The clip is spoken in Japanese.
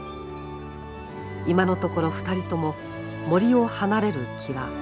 今のところ２人とも森を離れる気は全くない。